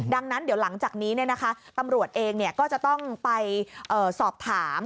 ดังนั้นเดี๋ยวหลังจากนี้ตำรวจเองก็จะต้องไปสอบถาม